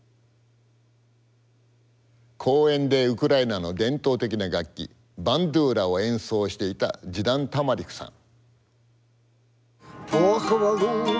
公園でウクライナの伝統的な楽器バンドゥーラを演奏していたジダン・タマリクさん。